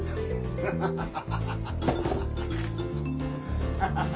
ハハハハハハハ！